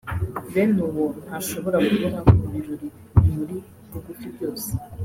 bene uwo ntashobora kubura mu birori bimuri bugufi byose